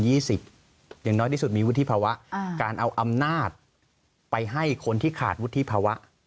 อย่างน้อยที่สุดมีวุฒิภาวะการเอาอำนาจไปให้คนที่ขาดวุฒิภาวะ